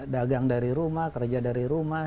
dagang dari rumah kerja dari rumah